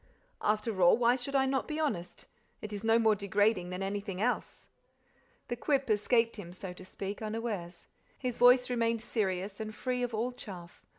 After all, why should I not be honest? It is no more degrading than anything else!" The quip escaped him, so to speak, unawares. His voice remained serious and free of all chaff.